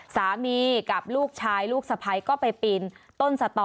สามีกับลูกชายลูกสะพ้ายก็ไปปีนต้นสตอ